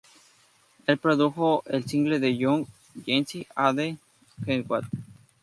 Él produjo el single de Young Jeezy, "And Then What".